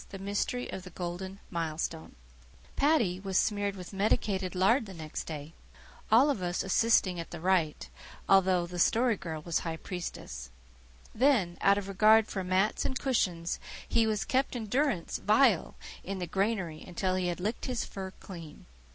THE MYSTERY OF GOLDEN MILESTONE Paddy was smeared with medicated lard the next day, all of us assisting at the rite, although the Story Girl was high priestess. Then, out of regard for mats and cushions, he was kept in durance vile in the granary until he had licked his fur clean.